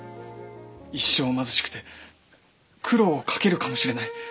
一生貧しくて苦労をかけるかもしれない。